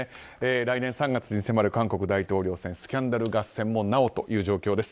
来年３月に迫る韓国大統領選スキャンダル合戦もなおという状況です。